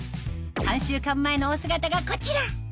３週間前のお姿がこちら